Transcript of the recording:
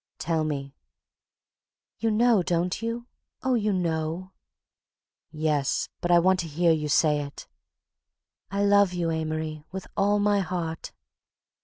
"Tell me..." "You know, don't you? Oh, you know." "Yes, but I want to hear you say it." "I love you, Amory, with all my heart."